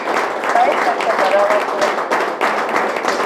ބައެއް ތަންތަން މަރާމާތުކުރަން ބޭނުންވެއްޖެ